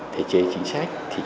thể chế chính sách